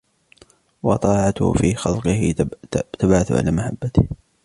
وَطَاعَتُهُ فِي خَلْقِهِ تَبْعَثُ عَلَى مَحَبَّتِهِ